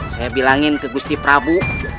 saya bilangin ke gusti prabu